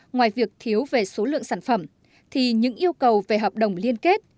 ngoài việc thiếu về số lượng sản phẩm thì những yêu cầu về hợp đồng liên kết